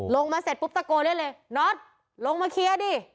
ลงมาเสร็จปุ๊บตะโกนเล่นเลยน็อตลงมาเคลียร์ดิ